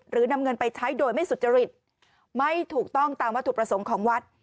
นำเงินไปใช้โดยไม่สุจริตไม่ถูกต้องตามวัตถุประสงค์ของวัด